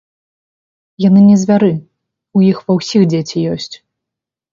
Яны не звяры, у іх ва ўсіх дзеці ёсць.